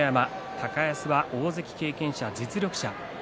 高安は大関を経験した実力者。